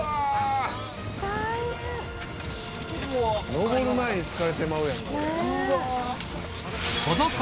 登る前に疲れてまうやん。